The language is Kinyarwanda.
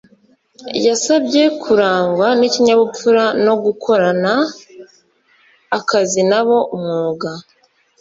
yabasabye kurangwa n’ikinyabupfura no gukorana akazi nabo umwuga